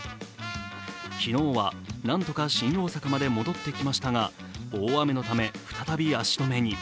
昨日は何とか新大阪まで戻ってきましたが大雨のため、再び足止めに。